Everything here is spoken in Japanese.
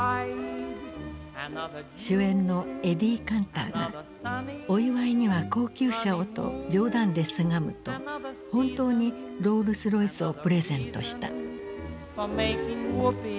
主演のエディ・カンターが「お祝いには高級車を」と冗談でせがむと本当にロールスロイスをプレゼントした。